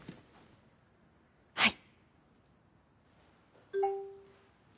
はい。